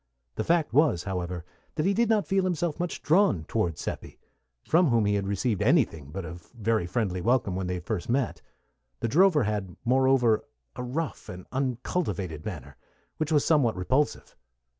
The fact was, however, that he did not feel himself much drawn toward Seppi, from whom he had received anything but a very friendly welcome when they first met; the drover had, moreover, a rough and uncultivated manner, which was somewhat repulsive.